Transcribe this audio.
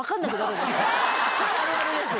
あるあるです！